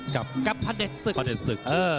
กับพระเด็นศึก